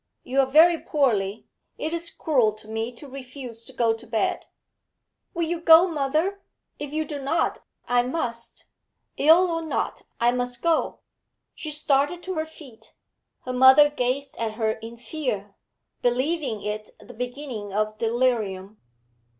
You are very poorly; it is cruel to me to refuse to go to bed.' 'Will you go, mother? If you do not, I must; ill or not, I must go.' She started to her feet. Her mother gazed at her in fear, believing it the beginning of delirium.